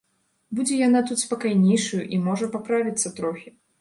Будзе яна тут спакайнейшаю і можа паправіцца трохі.